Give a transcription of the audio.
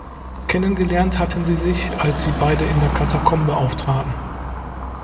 Kennengelernt hatten sie sich, als sie beide in der „Katakombe“ auftraten.